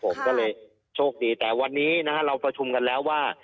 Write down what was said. ผมก็เลยโชคดีแต่วันนี้นะฮะเราประชุมกันแล้วว่า